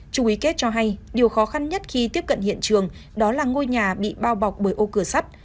trung ý kết cho hay điều khó khăn nhất khi tiếp cận hiện trường đó là ngôi nhà bị bao bọc bởi ô cửa sắt